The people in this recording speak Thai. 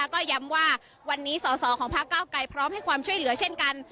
ก็ย้ำว่าวันนี้สอสอของพระเก้าไกรพร้อมให้ความช่วยเหลือเช่นกัน